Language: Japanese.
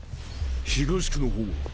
東区の方は？